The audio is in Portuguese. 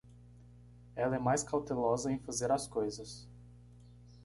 Ela é mais cautelosa em fazer as coisas.